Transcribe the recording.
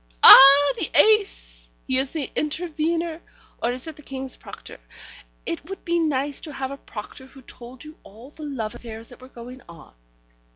Ah, the ace! He is the intervener, or is it the King's Proctor? It would be nice to have a proctor who told you all the love affairs that were going on.